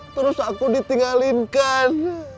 terus aku ditinggalinkan